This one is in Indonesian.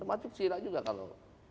termasuk cira juga kalau